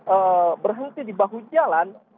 eee berhenti di bahu jalan